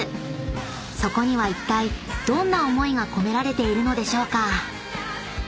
そこにはいったいどんな思いが込められているのでしょうか？］